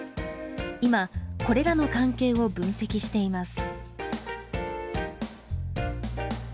今これらの関係を分析しています。